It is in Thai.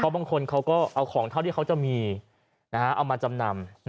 บางคนเขาก็เอาของเท่าที่เขาจะมีเอามาจำนำ